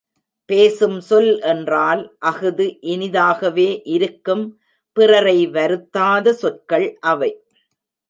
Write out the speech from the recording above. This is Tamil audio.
பேசும் சொல் என்றால் அஃது இனி தாகவே இருக்கும் பிறரை வருத்தாத சொற்கள் அவை.